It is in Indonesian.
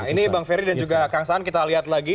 nah ini bang ferry dan kang san kita lihat lagi